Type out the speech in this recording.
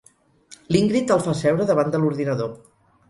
L'Ingrid el fa seure davant de l'ordinador.